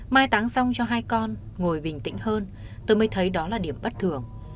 mai táng xong cho hai con ngồi bình tĩnh hơn tôi mới thấy đó là điểm bất thường